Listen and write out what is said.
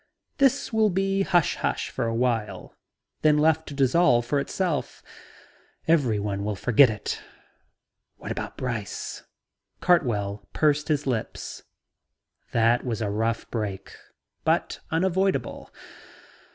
This will be hush hush for awhile, then left to dissolve of itself. Everyone will forget it..." "What about Brice?" Cartwell pursed his lips. "That was a rough break, but unavoidable.